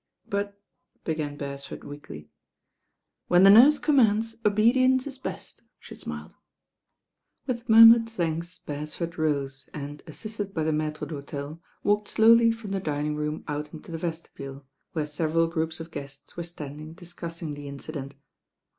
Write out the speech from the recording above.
"But ^" began Beresford weakly. "When the nurse commands obedience is best," she smiled. With murmured thanks Beresford rose and, as sisted by the mattre it hotel, walked slowly from the dining room out into the vestibule, where several groups of guests were standing discussing the inci dent.